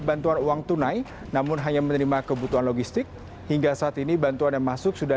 bantuan uang tunai namun hanya menerima kebutuhan logistik hingga saat ini bantuan yang masuk sudah